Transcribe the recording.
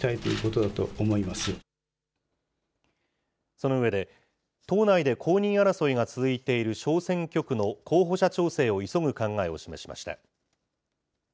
その上で、党内で公認争いが続いている小選挙区の候補者調整を急ぐ考えを示しました。